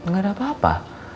gak ada apa apa